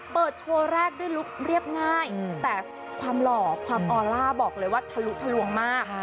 โชว์แรกด้วยลุคเรียบง่ายแต่ความหล่อความออลล่าบอกเลยว่าทะลุทะลวงมาก